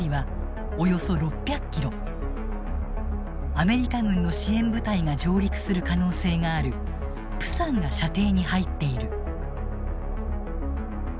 アメリカ軍の支援部隊が上陸する可能性がある釜山が射程に入っている。